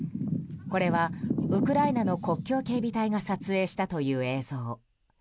これは、ウクライナの国境警備隊が撮影したという映像。